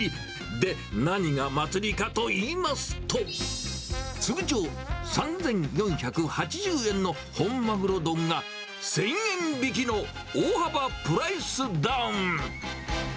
で、何が祭りかといいますと、通常３４８０円の本マグロ丼が１０００円引きの大幅プライスダウン。